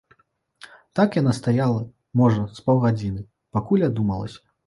Так яна стаяла, можа, з паўгадзіны, пакуль адумалася.